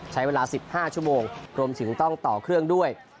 ใช้เวลา๑๕ชั่วโมงรวมถึงต้องต่อเครื่องด้วย